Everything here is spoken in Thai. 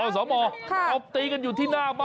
สวัสดีคุณครับ